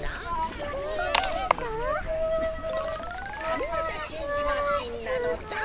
かみがたチェンジマシンなのだ。